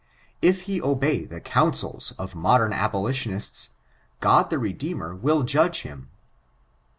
If he obey the counsels of modem abolitionists, God the Redeemer will judge him.